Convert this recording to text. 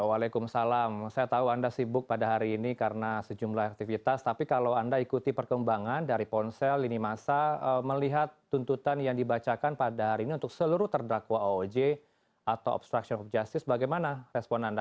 waalaikumsalam saya tahu anda sibuk pada hari ini karena sejumlah aktivitas tapi kalau anda ikuti perkembangan dari ponsel lini masa melihat tuntutan yang dibacakan pada hari ini untuk seluruh terdakwa ooj atau obstruction of justice bagaimana respon anda